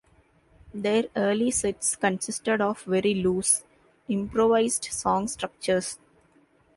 Their early sets consisted of very loose, improvised song structures.